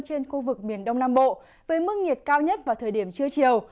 trên khu vực miền đông nam bộ với mức nhiệt cao nhất vào thời điểm trưa chiều